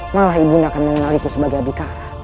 malah ibu akan mengenaliku sebagai abikara